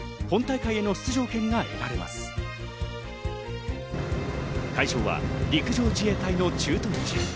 会場は陸上自衛隊の駐屯地。